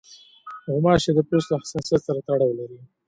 غوماشې د پوست له حساسیت سره تړاو لري.